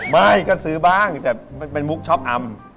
ไม่ก็ซื้อบ้างแต่มันเป็นมุกช็อปอำ